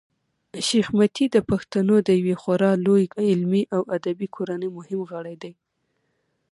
شېخ متي د پښتنو د یوې خورا لويي علمي او ادبي کورنۍمهم غړی دﺉ.